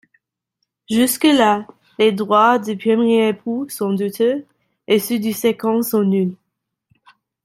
Jusque-là, les droits du premier époux sont douteux et ceux du second sont nuls.